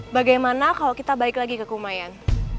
bagaimana kalau kita balik lagi ke kumayan